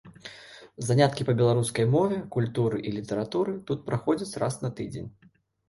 Заняткі па беларускай мове, культуры і літаратуры тут праходзяць раз на тыдзень.